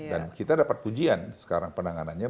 dan kita dapat pujian sekarang penanganannya